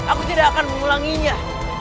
aku tidak akan mengulanginya